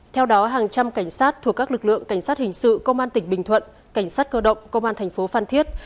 theo đó hàng trăm cảnh sát thuộc các lực lượng cảnh sát hình sự công an tỉnh bình thuận cảnh sát cơ động công an thành phố phan thiết